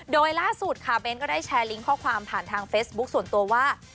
โดยล่าสุดค่ะเบ้นก็ได้แชร์ลิงก์ข้อความผ่านทางเฟซบุ๊คส่วนตัวว่า